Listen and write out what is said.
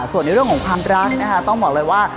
ส่วนในเรื่องของความรักนะคะต้องบอกเลยว่า